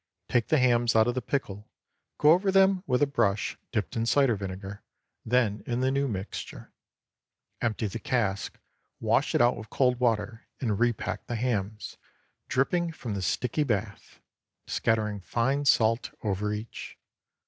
Take the hams out of the pickle, go over them with a brush dipped in cider vinegar, then in the new mixture. Empty the cask, wash it out with cold water, and repack the hams, dripping from the sticky bath, scattering fine salt over each.